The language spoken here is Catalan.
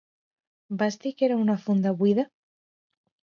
Vas dir que era una funda buida?